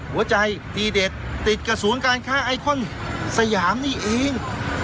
หัวใจทีเด็ดติดกับศูนย์การค้าไอคอนสยามนี่เอง